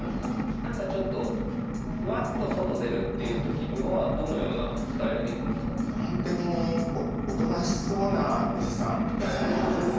何かちょっとふわっと外出るっていう時にはどのようなスタイルで行くんですか？